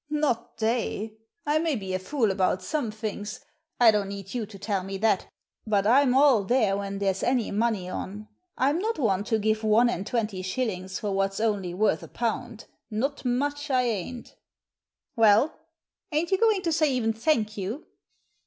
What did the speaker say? " Not they ! I may be a fool about some things — I don't need you to tell me that !— ^but I'm all there when there's any money on. I'm not one to give one and twenty shillings for what's only worth a pound — ^not much, I ain't Well, ain't you going to say even thank you?"